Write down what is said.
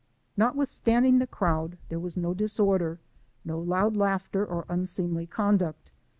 Notwithstanding the crowd, there was no disorder, no loud laugh I Icr or unseemly conduct.